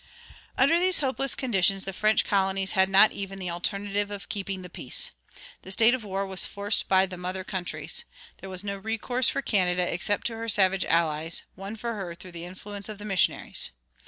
[27:4] Under these hopeless conditions the French colonies had not even the alternative of keeping the peace. The state of war was forced by the mother countries. There was no recourse for Canada except to her savage allies, won for her through the influence of the missionaries.